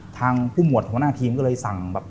ทางผู้หมวดหัวหน้าทีมก็เลยสั่งแบบ